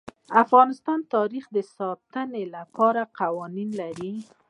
افغانستان د تاریخ د ساتنې لپاره قوانین لري.